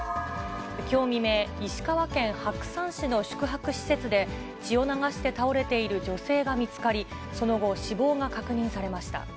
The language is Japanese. きょう未明、石川県白山市の宿泊施設で、血を流して倒れている女性が見つかり、その後、死亡が確認されました。